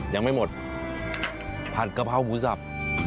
ยังไม่หมดผัดกะเพราหมูสับ